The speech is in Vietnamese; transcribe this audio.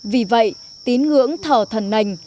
vì vậy tín ngưỡng thở thần nành